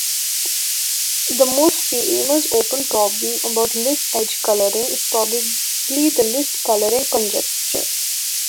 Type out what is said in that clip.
The most famous open problem about list edge-coloring is probably the "list coloring conjecture".